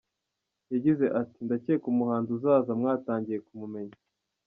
Yagize ati :"Ndakeka umuhanzi uzaza mwatangiye kumumenya.